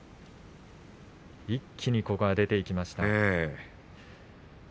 一気にここは出ていきました。